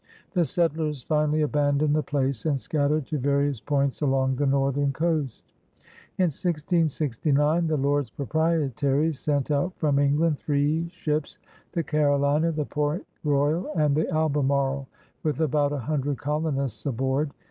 The settlers finally abandoned the place and scattered to various points along the northern coast. In 1669 the Lords Proprietaries sent out from England three ships, the Carolina, the Port Royal, and the Albemarle, with about a himdred colonists aboard.